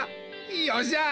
よっしゃ！